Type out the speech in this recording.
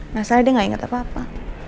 masalahnya dia nggak ingat apa apa